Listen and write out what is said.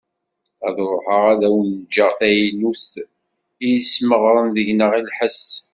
Ad ruḥeγ ad awen-ğğeγ taylut i yesmeγren deg-neγ lḥes.